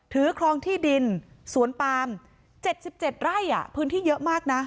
ถือครองที่ดินสวนปาล์มเจ็ดสิบเจ็ดไร่อ่ะพื้นที่เยอะมากน่ะ